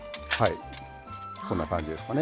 こんな感じですかね。